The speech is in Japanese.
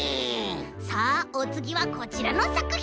さあおつぎはこちらのさくひん！